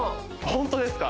ホントですか⁉